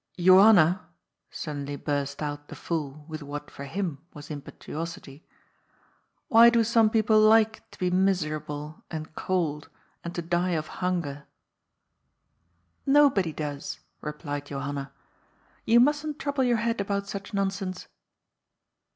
" Johanna," suddenly burst out the fool with what for him was impetuosity, " why do some people like to be miser able and cold and to die of hunger ?"" Nobody does," replied Johanna. " You mustn't trouble your head about such nonsense."